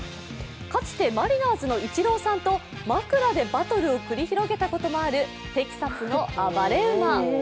かつてマリナーズのイチローさんと枕でバトルを繰り広げたこともあるテキサスの暴れ馬。